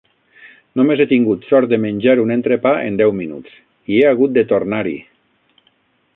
Només he tingut sort de menjar un entrepà en deu minuts, i he hagut de tornar-hi!